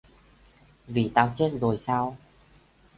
Vì tao chết rồi sao